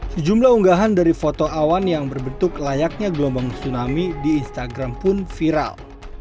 sejumlah unggahan dari foto awan yang berbentuk layaknya gelombang tsunami di instagram pun viral